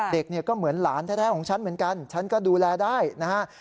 เด็กเนี่ยก็เหมือนหลานแท้ของฉันเหมือนกันฉันก็ดูแลได้นะฮะ